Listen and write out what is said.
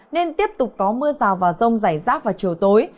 nên tiếp tục có mưa rào và rông rải rác vào chiều tối